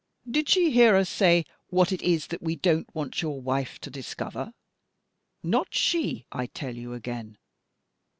Did she hear us say what it is that we don't want your wife to discover? Not she, I tell you again!